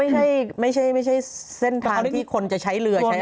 แล้วมันไม่ใช่เส้นทางที่คนจะใช้เรือใช้อะไร